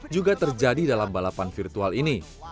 juga terjadi dalam balapan virtual ini